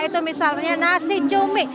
itu misalnya nasi cumi